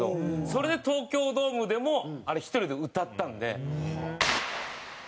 それで東京ドームでもあれ１人で歌ったんで。